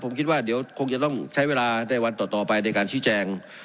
ผมคิดว่าเดี๋ยวคงจะต้องใช้เวลาในวันต่อไปในการชี้แจง